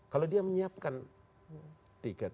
kalau dia menyiapkan tiket